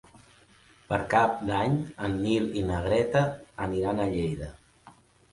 Per Cap d'Any en Nil i na Greta aniran a Lleida.